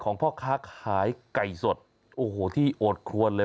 พ่อค้าขายไก่สดโอ้โหที่โอดครวนเลย